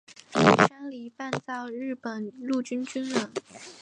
山梨半造日本陆军军人。